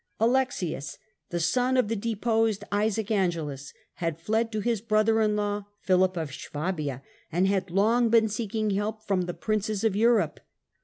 Alexius, the son of the deposed Isaac Angelas, had fled to his brother in law, Philip of Swabia, and had long been seeking help from the princes of Europe.